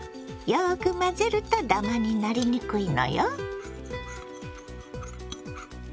よく混ぜるとダマになりにくいのよ。